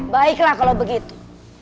baiklah kalau begitu